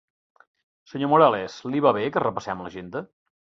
Senyor Morales... li va bé que repassem l'agenda?